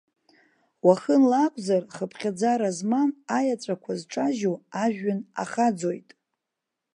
Уахынла акәзар, хыԥхьаӡара змам аеҵәақәа зҿажьу ажәҩан ахаӡоит.